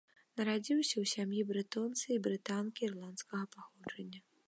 Нарадзіўся ў сям'і брэтонца і брытанкі ірландскага паходжання.